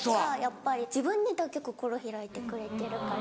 やっぱり自分にだけ心開いてくれてるから。